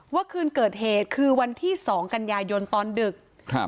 คืนเกิดเหตุคือวันที่สองกันยายนตอนดึกครับ